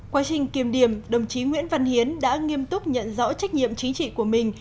quá trình kiềm điểm đồng chí nguyễn văn hiến đã nghiêm túc nhận rõ trách nhiệm chính trị của mình